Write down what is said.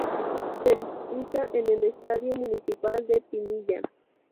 Se disputa en el Estadio Municipal de Pinilla.